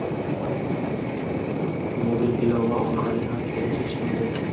mobil ilova orqali ham kelishish mumkin.